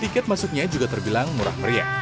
tiket masuknya juga terbilang murah meriah